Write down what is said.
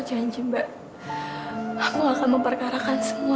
ini bukan salah kamu